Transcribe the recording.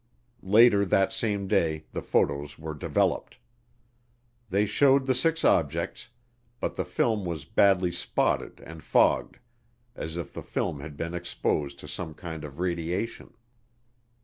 Later that same day the photos were developed. They showed the six objects, but the film was badly spotted and fogged, as if the film had been exposed to some kind of radiation.